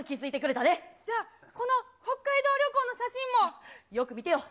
じゃあ、この北海道旅行の写よく見てよ。